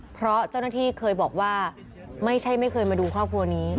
เพราะเจ้าหน้าที่เคยบอกว่าไม่ใช่ไม่เคยมาดูครอบครัวนี้